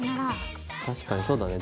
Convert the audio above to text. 確かにそうだね